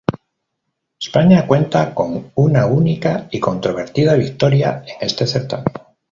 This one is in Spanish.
España cuenta con una única y controvertida victoria en este certamen.